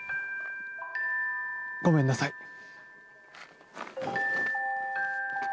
ごめんなさい。